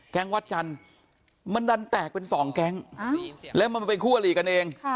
วัดจันทร์มันดันแตกเป็นสองแก๊งแล้วมันเป็นคู่อลีกันเอง